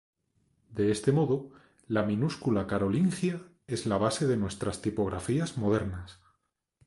De este modo, la minúscula carolingia es la base de nuestras tipografías modernas.